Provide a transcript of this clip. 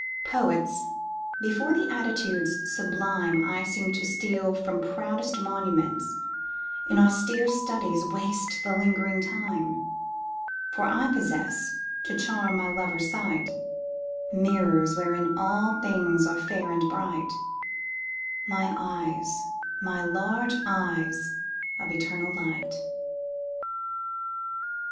Poets, before the attitudes sublime I seem to steal from proudest monuments, In austere studies waste the ling'ring time; For I possess, to charm my lover's sight, Mirrors wherein all things are fair and bright My eyes, my large eyes of eternal light!